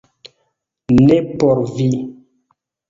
- Ne por vi